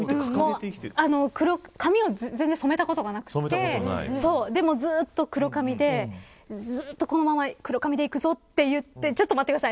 髪を全然染めたことがなくてでも、ずっと黒髪でずっとこのまま黒髪でいくぞといってちょっと待ってください。